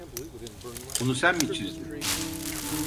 Bunu sen mi çizdin?